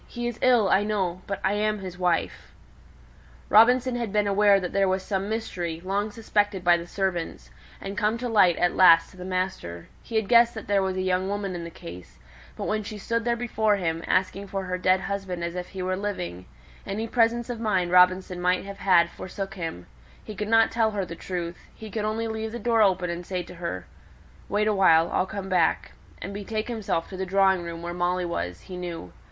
He is ill, I know; but I am his wife." Robinson had been aware that there was some mystery, long suspected by the servants, and come to light at last to the master, he had guessed that there was a young woman in the case; but when she stood there before him, asking for her dead husband as if he were living, any presence of mind Robinson might have had forsook him; he could not tell her the truth, he could only leave the door open, and say to her, "Wait awhile, I'll come back," and betake himself to the drawing room where Molly was, he knew.